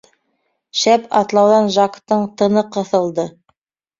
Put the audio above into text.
Шәп атлауҙан Жактың тыны ҡыҫылды.